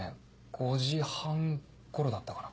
５時半頃だったかな。